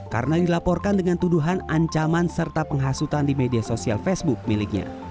karena dilaporkan dengan tuduhan ancaman serta penghasutan di media sosial facebook miliknya